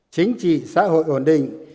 chính trị xã hội ổn định